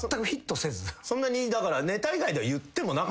そんなにだから。